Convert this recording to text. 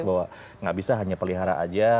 bahwa nggak bisa hanya pelihara aja